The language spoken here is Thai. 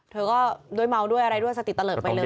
เธอก็ด้วยเมาด้วยอะไรด้วยสติเตลิศไปเลย